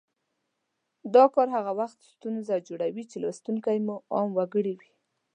دا کار هغه وخت ستونزه جوړوي چې لوستونکي مو عام وګړي وي